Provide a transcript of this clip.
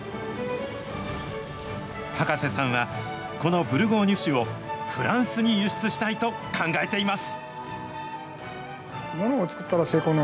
高瀬さんは、このブルゴーニュ種をフランスに輸出したいと考えています。